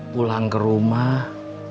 pulang ke rumah